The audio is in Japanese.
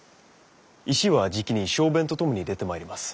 石はじきに小便と共に出てまいります。